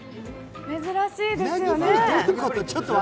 珍しいですよね。